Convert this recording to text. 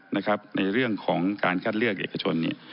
ในเรื่องของอักการคัดเลือกเอกชน